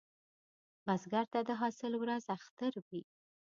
بزګر ته د حاصل ورځ اختر وي